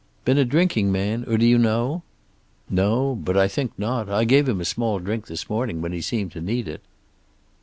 "Been a drinking man? Or do you know?" "No. But I think not. I gave him a small drink this morning, when he seemed to need it."